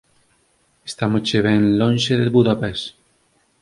Estámosche ben lonxe de Budapest.